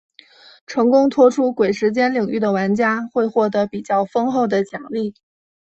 成功脱出鬼时间领域的玩家会获得比较丰厚的奖励。